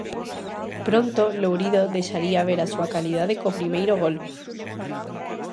Pronto Lourido deixaría ver a súa calidade co primeiro gol.